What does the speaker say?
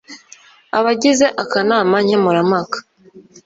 abagize akanama nkemura mpaka